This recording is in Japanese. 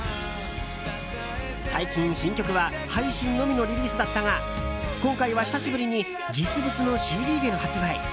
最近、新曲は配信のみのリリースだったが今回は、久しぶりに実物のＣＤでの発売。